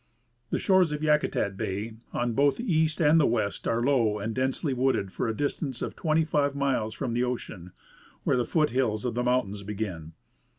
The shores of Yakutat bay, on both the east and the west, are low and densely wooded for a distance of twenty five miles from the ocean, where the foot hills of the mountains begin.